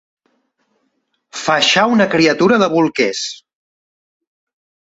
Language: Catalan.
Faixar una criatura de bolquers.